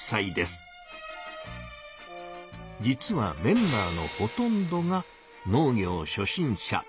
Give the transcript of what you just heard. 実はメンバーのほとんどが農業初心者。